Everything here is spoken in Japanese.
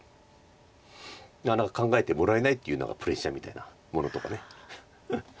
だから考えてもらえないというのがプレッシャーみたいなものとか。